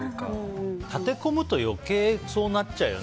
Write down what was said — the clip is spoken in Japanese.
立て込むと余計、そうなっちゃうよね。